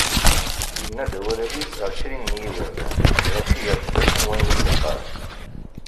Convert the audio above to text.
Yenna-d awal-agi ɛecrin n yiberdan, lɣaci yeɛǧeb-asen wayen i d-yeqqar.